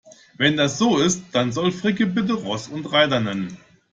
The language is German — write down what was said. Wenn das so ist, dann soll Fricke bitte Ross und Reiter nennen.